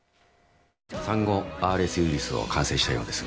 産後、ＲＳウイルスを感染したようです。